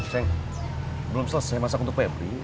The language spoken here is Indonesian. sayang belum selesai masak untuk febri